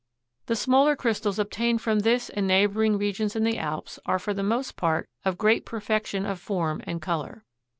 The smaller crystals obtained from this and neighboring regions in the Alps are for the most part of great perfection of form and color.